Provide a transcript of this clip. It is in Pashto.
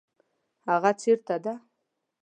هغه چیرته ده؟